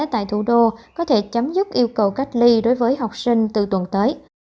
tại thủ đô có thể chấm dứt yêu cầu cách ly đối với học sinh từ tuần tới